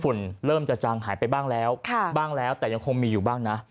เริ่มจะจางหายไปบ้างแล้วบ้างแล้วแต่ยังคงมีอยู่บ้างนะ